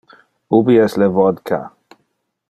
Ubi es le vodka?